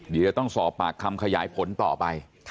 เดี๋ยวจะต้องสอบปากคำขยายผลต่อไป